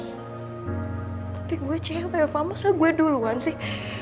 tapi gue cewek fak masa gue duluan sih